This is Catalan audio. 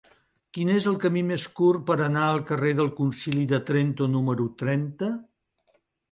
Quin és el camí més curt per anar al carrer del Concili de Trento número trenta?